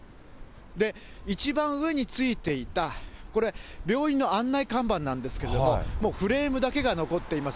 一番上についていた、これ、病院の案内看板なんですけれども、もうフレームだけが残っています。